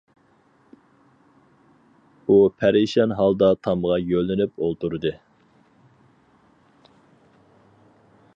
ئۇ پەرىشان ھالدا تامغا يۆلىنىپ ئولتۇردى.